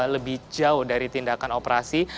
lebih jauh dari tindakan operasi